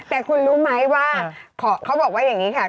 แต่คุณรู้ไหมว่าเขาบอกว่าอย่างนี้ค่ะ